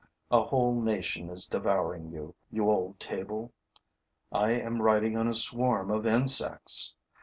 A whole nation is devouring you, you old table; I am writing on a swarm of insects!